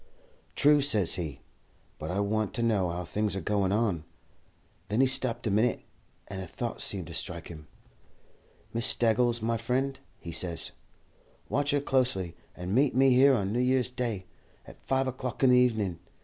"'True,' says he, 'but I want to know how things are goin' on.' Then he stopped a minit, and a thought seemed to strike him. 'Miss Staggles, my friend,' he says, 'watch her closely, and meet me here on New Year's Day, at five o'clock in the evening.